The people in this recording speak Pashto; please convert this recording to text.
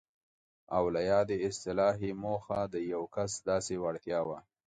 او له یادې اصطلاح یې موخه د یو کس داسې وړتیا وه.